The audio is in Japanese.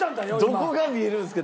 どこが見えるんですか？